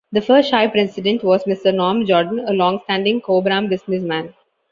The first Shire President was Mr Norm Jordan, a long-standing Cobram business man.